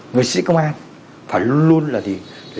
người sĩ công an phải luôn là gì